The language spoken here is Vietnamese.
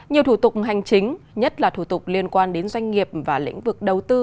nhiều thủ tục hành chính nhất là thủ tục liên quan đến doanh nghiệp và lĩnh vực đầu tư